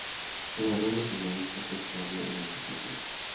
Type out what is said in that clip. Jugadores en negrita son todavía en la competencia.